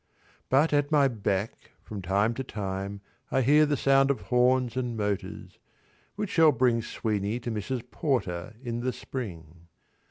But at my back from time to time I hear The sound of horns and motors, which shall bring Sweeney to Mrs. Porter in the spring.